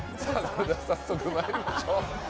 早速参りましょう。